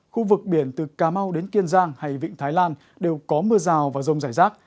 khu vực biển từ cà mau đến kiên giang hay vịnh thái lan đều có mưa rào và rông rải rác